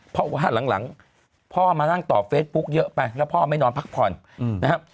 เพราะว่าหลังพ่อมานั่งตอบเฟซบุ๊คเยอะไปแล้วพ่อไม่นอนพักผ่อนนะครับ